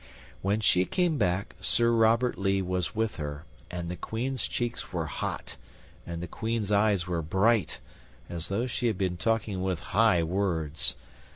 When she came back Sir Robert Lee was with her, and the Queen's cheeks were hot and the Queen's eyes were bright, as though she had been talking with high words.